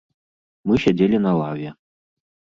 Мы сядзелі на лаве.